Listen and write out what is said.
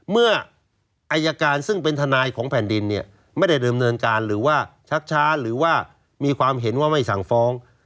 เมื่ออายการซึ่งเป็นทนายของแผ่นดินเนี่ยไม่ได้ดำเนินการหรือว่าชักช้าหรือว่ามีความเห็นว่าไม่สั่งฟ้อง